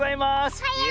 おはよう！